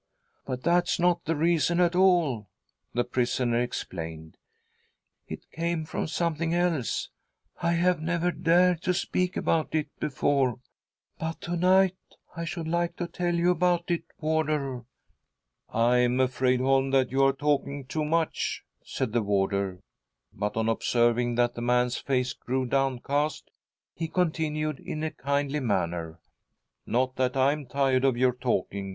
" But that's not the reason at all," the prisoner explained ;" it comes from something else. I have never dared to speak about it before, but to night I should like to tell you about it, warder." "I am afraid, Holm, that you are talking too much," said the warder, but onr observing that the man's face grew downcast, he continued in a kindly manner :" Not that I am tired of your talking .